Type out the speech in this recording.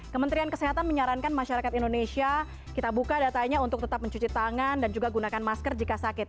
kementerian kesehatan menyarankan masyarakat indonesia kita buka datanya untuk tetap mencuci tangan dan juga gunakan masker jika sakit